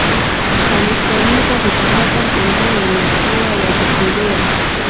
alifanikiwa kukamata pembeni ya mashua ya kuokolea